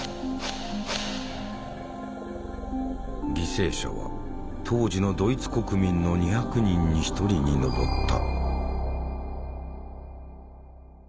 犠牲者は当時のドイツ国民の２００人に１人に上った。